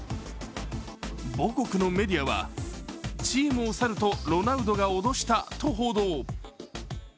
母国のメディアは、チームを去るとロナウドが脅したと報道。